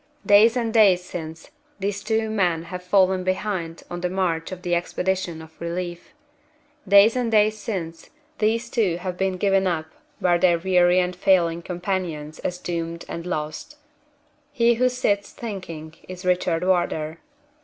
Days and days since, these two have fallen behind on the march of the expedition of relief. Days and days since, these two have been given up by their weary and failing companions as doomed and lost. He who sits thinking is Richard Wardour.